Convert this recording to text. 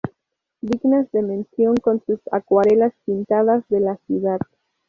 Dignas de mención son sus acuarelas pintadas de la ciudad.